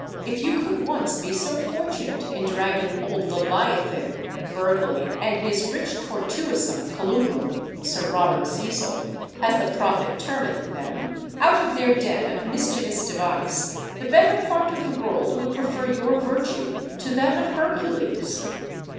If you could once be so fortunate in dragging old Leviathan (Burghley) and his rich tortuosum colubrum (Sir Robert Cecil), as the prophet termeth them, out of their den of mischievous device, the better part of the world would prefer your virtue to that of Hercules."